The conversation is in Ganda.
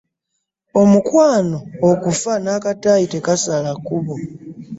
Omukwano okufa n'akataayi tekasala kkubo.